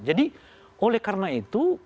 jadi oleh karena itu